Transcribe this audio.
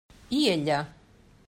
I ella?